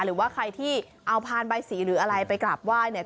หรือว่าใครที่เอาพานใบสีหรืออะไรไปกราบไหว้เนี่ย